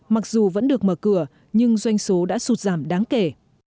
mặc dù vẫn được mở cửa nhưng doanh số đã sụt giảm đáng kể